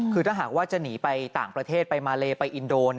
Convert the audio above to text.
คือถ้าหากว่าจะหนีไปต่างประเทศไปมาเลไปอินโด